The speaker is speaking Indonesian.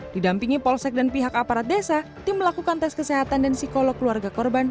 didampingi polsek dan pihak aparat desa tim melakukan tes kesehatan dan psikolog keluarga korban